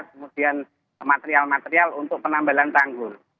kemudian material material untuk penambalan tanggul